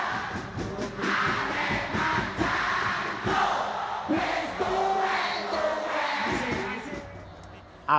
aku mau berubah menjadi pelaku